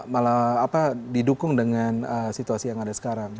malah didukung dengan situasi yang ada sekarang